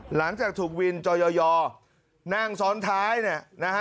หลังจากถูกวินจอยอนั่งซ้อนท้ายเนี่ยนะฮะ